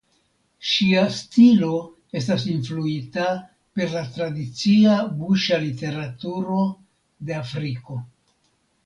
Ŝia stilo estas influita per la tradicia buŝa literaturo de Afriko.